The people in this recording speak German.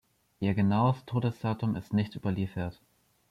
Ihr genaues Todesdatum ist nicht überliefert.